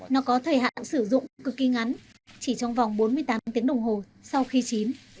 nó có thời hạn sử dụng cực kỳ ngắn chỉ trong vòng bốn mươi tám tiếng đồng hồ sau khi chín